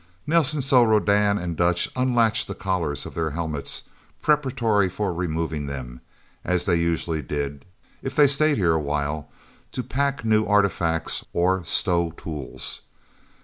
Nelsen saw Rodan and Dutch unlatch the collars of their helmets, preparatory for removing them, as they usually did if they stayed here a while, to pack new artifacts or stow tools.